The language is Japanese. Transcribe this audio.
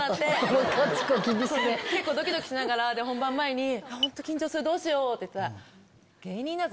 結構ドキドキしながら本番前にホント緊張するどうしようって言ったら。